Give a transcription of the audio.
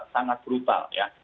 sangat brutal ya